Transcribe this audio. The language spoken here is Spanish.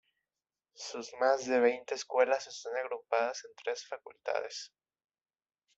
Sus más de veinte Escuelas están agrupadas en tres Facultades.